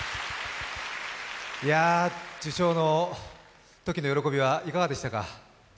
受賞のときの喜びはいかがでしたか？